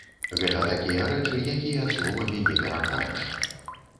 Гэта такія рэчы, якія словамі не перакажаш.